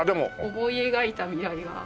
思い描いた未来は。